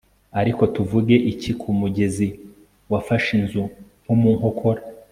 Ariko tuvuge iki ku mugezi wafashe inzu nko mu nkokora